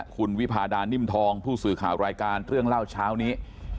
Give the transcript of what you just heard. คุณวิพาดานิ่มทองผู้สื่อข่าวรายการเรื่องเล่าเช้านี้